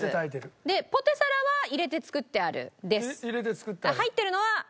でポテサラは入れて作ってある？です。